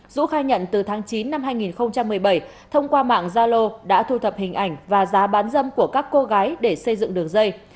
dũ khai nhận từ tháng chín năm hai nghìn một mươi bảy thông qua mạng zalo đã thu thập hình ảnh và giá bán dâm của các cô gái để xây dựng đường dây